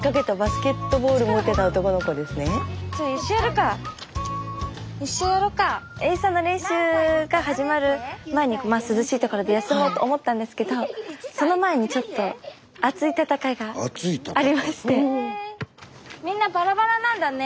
スタジオエイサーの練習が始まる前に涼しい所で休もうと思ったんですけどその前にちょっと熱い戦いがありまして。